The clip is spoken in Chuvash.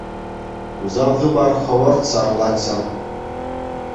Усал хыпар хӑвӑрт сарӑлать ҫав.